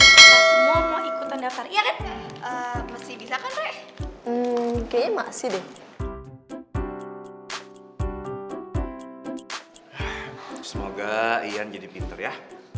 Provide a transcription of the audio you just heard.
semoga ian jadi pinter ya